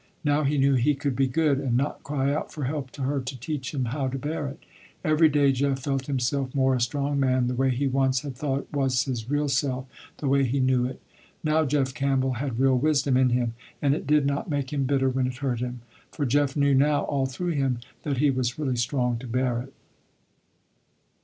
Now he knew he could be good, and not cry out for help to her to teach him how to bear it. Every day Jeff felt himself more a strong man, the way he once had thought was his real self, the way he knew it. Now Jeff Campbell had real wisdom in him, and it did not make him bitter when it hurt him, for Jeff knew now all through him that he was really strong to bear it.